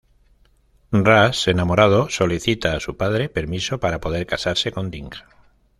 Ras enamorado solicita a su padre permiso para poder casarse con Ding.